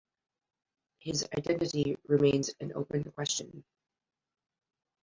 His identity remains an open question.